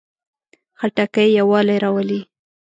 خټکی یووالی راولي.